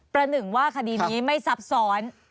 หนึ่งว่าคดีนี้ไม่ซับซ้อน